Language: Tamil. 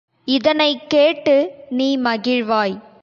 இதனைக் கேட்டு நீ மகிழ்வாய்.